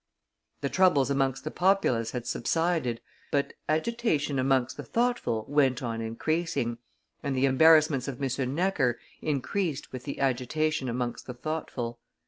The troubles amongst the populace had subsided, but agitation amongst the thoughtful went on increasing, and the embarrassments of M. Necker increased with the agitation amongst the thoughtful.